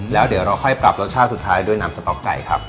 แล้วเดี๋ยวเราค่อยปรับรสชาติสุดท้ายด้วยน้ำสต๊อกไก่ครับ